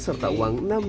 serta uang rp enam